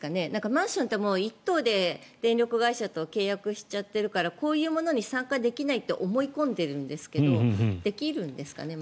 マンションって１棟で電力会社と契約しちゃってるからこういうものに参加できないって思い込んでるんですけどできるんですかね？